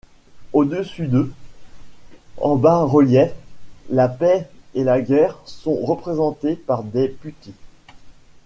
Au-dessus d’eux, en bas-reliefs, la Paix et la Guerre sont représentées par des putti.